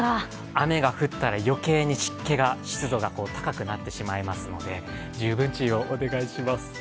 雨が降ったら余計に湿気が湿度が高くなってしまいますので十分注意をお願いします。